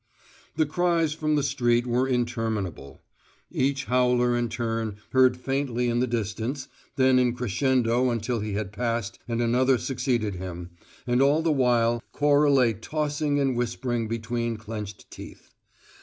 The cries from the street were interminable; each howler in turn heard faintly in the distance, then in crescendo until he had passed and another succeeded him, and all the while Cora lay tossing and whispering between clenched teeth.